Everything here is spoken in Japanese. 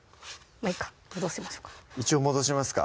まぁいっか戻しましょうか一応戻しますか？